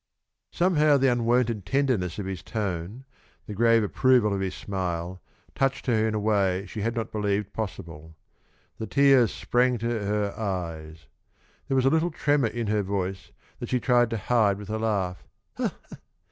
Somehow the unwonted tenderness of his tone, the grave approval of his smile, touched her in a way she had not believed possible. The tears sprang to her eyes. There was a little tremor in her voice that she tried to hide with a laugh.